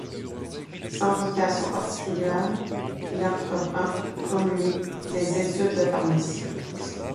Sans vocation particulière, il entreprend, comme lui, des études de pharmacie.